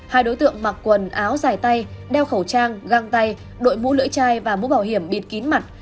hai đối tượng mặc quần áo dài tay đeo khẩu trang găng tay đội mũ lưỡi chai và mũ bảo hiểm bịt kín mặt